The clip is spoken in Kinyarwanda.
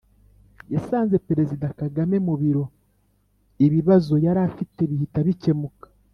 yasanze perezida kagame mu biro, ibibazo yari afite bihita bikemuka